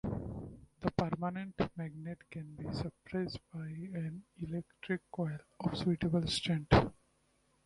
The permanent magnet can be suppressed by an electric coil of suitable strength.